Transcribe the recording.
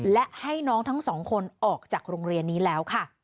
และให้น้องทั้งสองคนออกจากโรงเรียนนี้แล้วค่ะ